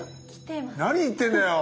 何言ってんだよ！